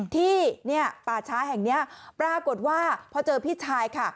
ที่ป่าช้าแห่งนี้ปรากฏว่าพอเจอพี่ชายค่ะ